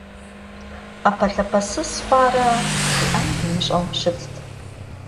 Ӏэпэлъапэсыс хъуарэ жиӏэнур имыщӏэжу щытт.